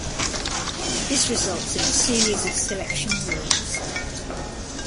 This results in a series of selection rules.